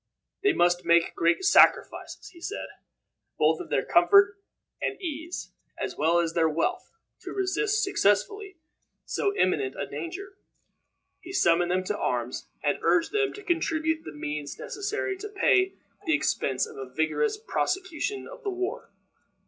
They must make great sacrifices, he said, both of their comfort and ease, as well as of their wealth, to resist successfully so imminent a danger. He summoned them to arms, and urged them to contribute the means necessary to pay the expense of a vigorous prosecution of the war.